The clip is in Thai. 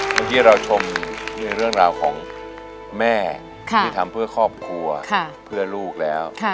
เมื่อกี้เราชมเรื่องราวของแม่ที่ทำเพื่อครอบครัวเพื่อลูกแล้ว